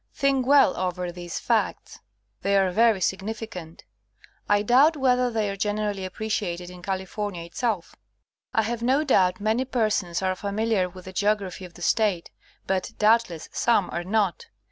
Think well over these facts. They are very significant. I doubt whether they are generally appreciated in California itself. I have no doubt many persons are familiar with the geography of the State, but, doubtless, some are not.